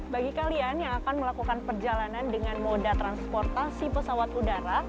bagi kalian yang akan melakukan perjalanan dengan moda transportasi pesawat udara